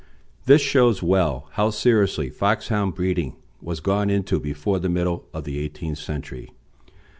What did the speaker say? This shows well how seriously Foxhound breeding was gone into before the middle of the eighteenth century.